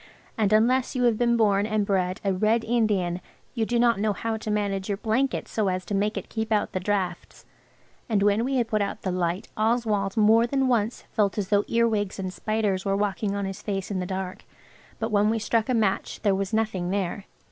And unless you have been born and bred a Red Indian you do not know how to manage your blanket so as to make it keep out the draughts. And when we had put out the light Oswald more than once felt as though earwigs and spiders were walking on his face in the dark, but when we struck a match there was nothing there.